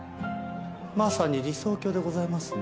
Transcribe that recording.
まさに理想郷でございますね。